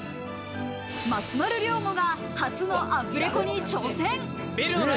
松丸亮吾が初のアフレコに挑戦。